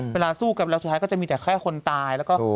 เวลาสู้กันแล้วสุดท้ายก็จะมีแต่แค่คนตายแล้วก็